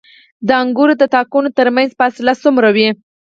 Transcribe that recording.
د انګورو د تاکونو ترمنځ فاصله څومره وي؟